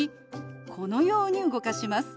このように動かします。